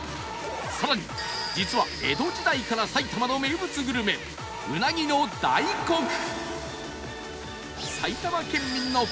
更に実は江戸時代から埼玉の名物グルメうなぎの大穀